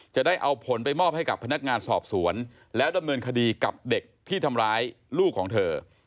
จะได้เอาผลไปมอบให้กับพนักงานสอบสวนแล้วดำเนินคดีกับเด็กที่ทำร้ายลูกของเธอ